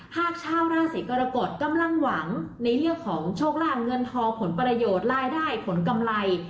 หากชาวราศีกรกฎกำลังหวังในเรื่องของโชคลาบเงินทองผลประโยชน์รายได้ผลกำไร